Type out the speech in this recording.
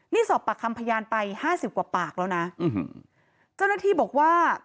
นี่สอบปากคำพยานไปห้าสิบกว่าปากแล้วนะเจ้าหน้าที่บอกว่า